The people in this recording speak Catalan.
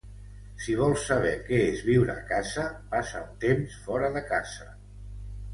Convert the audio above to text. Si vols saber què és viure a casa, passa un temps fora de casa.